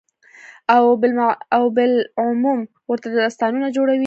او بالعموم ورته داستانونه جوړوي،